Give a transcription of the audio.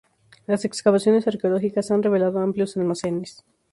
Las excavaciones arqueológicas han revelado amplios almacenes.